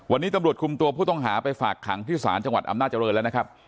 วันนี้ตำรวจคุมตัวผู้ต้องหาไปฝากขังที่ศาลจังหวัดอำนาจริงแล้วนะครับ